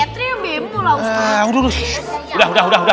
triobemo lah ustadz